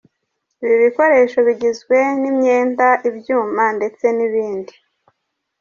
Ibi bikoresho bigizwe n’imyenda, ibyuma ndetse n’ibindi.